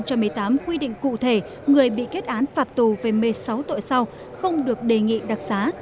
cho một mươi tám quy định cụ thể người bị kết án phạt tù về một mươi sáu tội sau không được đề nghị đặc giá